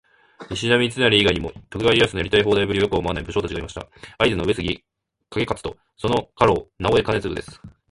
石田三成以外にも、徳川家康のやりたい放題ぶりをよく思わない武将達がいました。会津の「上杉景勝」とその家老「直江兼続」です。